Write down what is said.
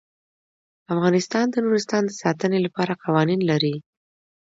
افغانستان د نورستان د ساتنې لپاره قوانین لري.